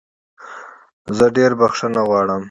زه ډېره بخښنه غواړم.